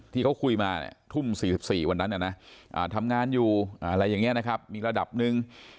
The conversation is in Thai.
ที่เขาคุยมาทุ่ม๔๔วันนั้นทำงานอยู่อะไรอย่างนี้นะครับมีระดับหนึ่ง